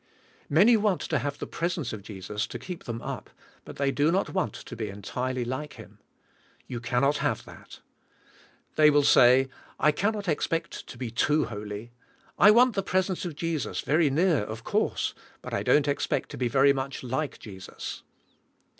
Many want to have the presence of Jesus to keep them up, but they do not want to be entirely like Him. You cannot hav^e that. They will say, "I cannot expect to be S^ PittKD Wl^ii i^HEj SPIRIT. 123 too iioly. I want the presence of Jesus very near of course, but I don't expect to be very much like Jesus.